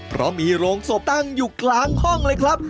เพราะมีโรงศพตั้งอยู่กลางห้องเลยครับ